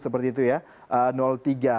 seperti itu ya